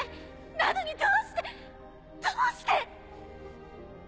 なのにどうしてどうして！